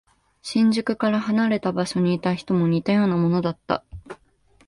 新宿から離れた場所にいた人も似たようなものだった。